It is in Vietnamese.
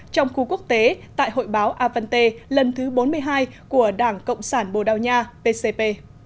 trong khu quốc tế tại hội báo avante lần thứ bốn mươi hai của đảng cộng sản bồ đào nha pcp